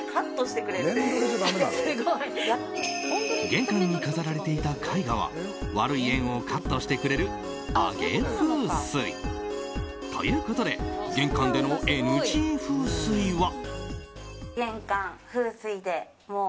玄関に飾られていた絵画は悪い縁をカットしてくれる上げ風水！ということで玄関でのＮＧ風水は。